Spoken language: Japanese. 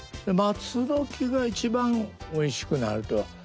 松の木が一番おいしくなると。